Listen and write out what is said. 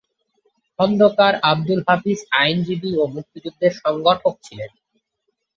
খন্দকার আবদুল হাফিজ আইনজীবী ও মুক্তিযুদ্ধের সংগঠক ছিলেন।